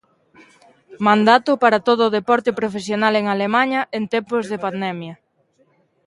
Mandato para todo o deporte profesional en Alemaña en tempos de pandemia.